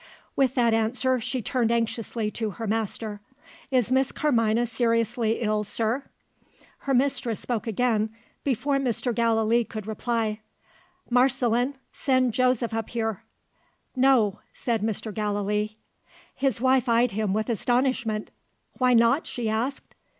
With that answer, she turned anxiously to her master. "Is Miss Carmina seriously ill, sir?" Her mistress spoke again, before Mr. Gallilee could reply. "Marceline! send Joseph up here." "No," said Mr. Gallilee. His wife eyed him with astonishment. "Why not?" she asked.